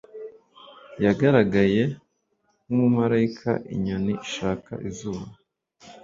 yagaragaye nku mumarayika inyoni ishaka izuba